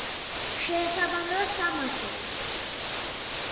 შეესაბამება სამ ასეულს.